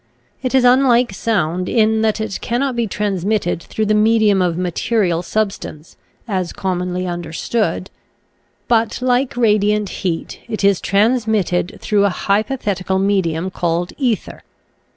It is unlike sound in that it cannot be transmitted through the medium of material substance, as commonly understood; but like radiant heat it is transmitted through a hy pothetical medium called Ether.